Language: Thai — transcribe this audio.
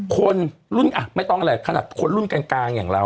คนรุ่นอ่ะไม่ต้องอะไรขนาดคนรุ่นกลางอย่างเรา